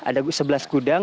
ada sebelas gudang